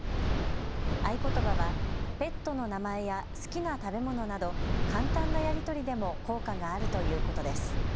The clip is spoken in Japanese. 合言葉はペットの名前や好きな食べ物など、簡単なやり取りでも効果があるということです。